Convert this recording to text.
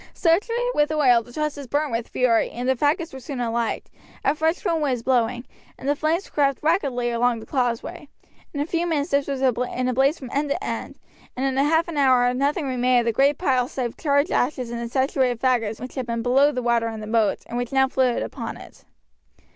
Saturated with oil, the trusses burnt with fury, and the faggots were soon alight. A fresh wind was blowing, and the flames crept rapidly along the causeway. In a few minutes this was in a blaze from end to end, and in half an hour nothing remained of the great pile save charred ashes and the saturated faggots which had been below the water in the moat, and which now floated upon it.